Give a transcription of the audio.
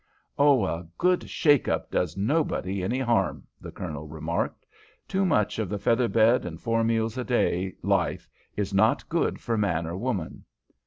"Oh, a good shake up does nobody any harm," the Colonel remarked. "Too much of the feather bed and four meals a day life is not good for man or woman."